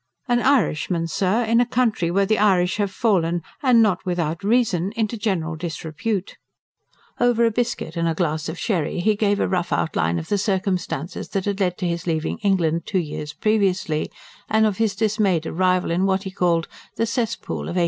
"An Irishman, sir, in a country where the Irish have fallen, and not without reason, into general disrepute." Over a biscuit and a glass of sherry he gave a rough outline of the circumstances that had led to his leaving England, two years previously, and of his dismayed arrival in what he called "the cesspool of 1852".